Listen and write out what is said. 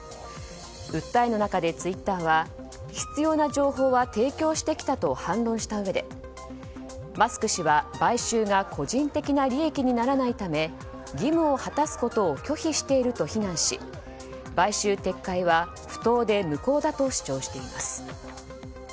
訴えの中でツイッターは必要な情報は提供してきたと反論したうえでマスク氏は買収が個人的な利益にならないため義務を果たすことを拒否していると非難し買収撤回は不当で無効だと主張しています。